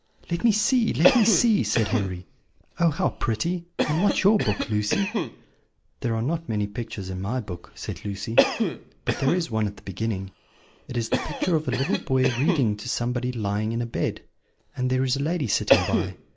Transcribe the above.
"Let me see, let me see," said Henry. "Oh, how pretty! And what's your book, Lucy?" "There are not many pictures in my book," said Lucy; "but there is one at the beginning: it is the picture of a little boy reading to somebody lying in a bed; and there is a lady sitting by.